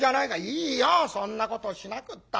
「いいよそんなことしなくったって。